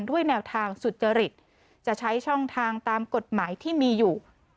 ด้วยแนวทางสุจริตจะใช้ช่องทางตามกฎหมายที่มีอยู่